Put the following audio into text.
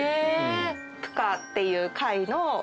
プカっていう貝の。